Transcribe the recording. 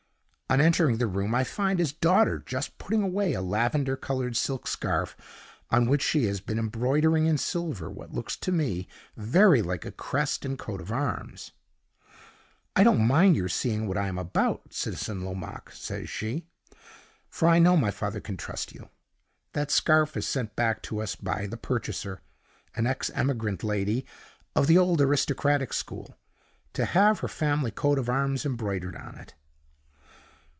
On entering the room, I find his daughter just putting away a lavender colored silk scarf, on which she has been embroidering in silver what looks to me very like a crest and coat of arms. "'I don't mind your seeing what I am about, Citizen Lomaque,' says she; 'for I know my father can trust you. That scarf is sent back to us by the purchaser, an ex emigrant lady of the old aristocratic school, to have her family coat of arms embroidered on it.